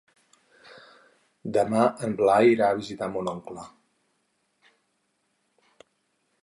Demà en Blai irà a visitar mon oncle.